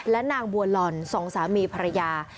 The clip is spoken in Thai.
และนางบัวลอนสองสามีภรรยา